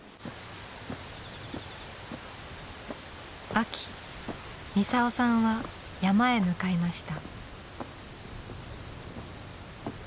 秋ミサオさんは山へ向かいました。